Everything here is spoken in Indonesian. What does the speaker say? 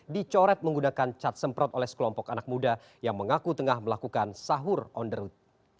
dicoret menggunakan cat semprot oleh sekelompok anak muda yang mengaku tengah melakukan sahur on the road